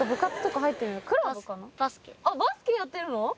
バスケやってるの？